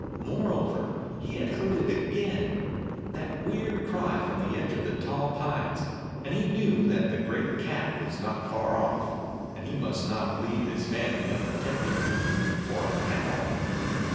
Moreover, he had heard it again, that weird cry from the edge of the tall pines, and he knew that the great cat was not far off, and he must not leave his family unprotected even for an hour.